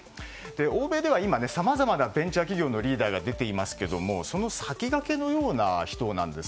欧米では今さまざまなベンチャー企業のリーダーが出ていますけどもその先駆けのような人なんです。